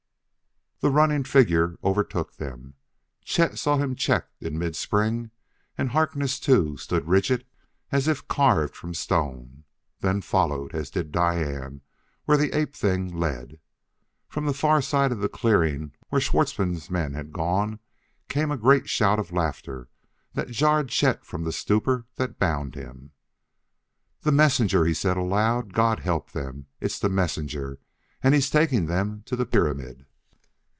The running figure overtook them. Chet saw him checked in mid spring, and Harkness, too, stood rigid as if carved from stone, then followed as did Diane, where the ape thing led.... From the far side of the clearing, where Schwartzmann's men had gone, came a great shout of laughter that jarred Chet from the stupor that bound him. "The messenger!" he said aloud. "God help them; it's the messenger and he's taking them to the pyramid!"